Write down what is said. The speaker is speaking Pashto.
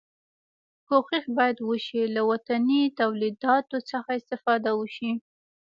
کوښښ باید وشي له وطني تولیداتو څخه استفاده وشي.